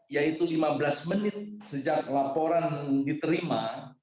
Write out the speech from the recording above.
yaitu lima belas menit sejak laporan diterima